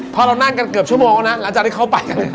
เป็นชั่วโมงอ่ะ